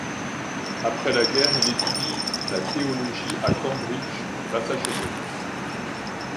Après la guerre il étudie la théologie à Cambridge, Massachusetts.